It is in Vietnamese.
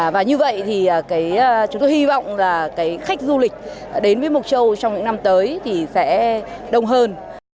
và như vậy thì chúng tôi hy vọng là cái khách du lịch đến với mộc châu trong những năm tới thì sẽ đông hơn